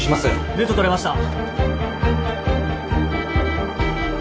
ルートとれました。